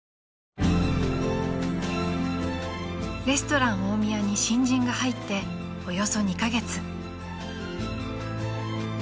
［レストラン大宮に新人が入っておよそ２カ月］